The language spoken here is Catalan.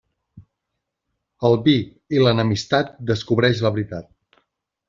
El vi i l'enemistat descobreix la veritat.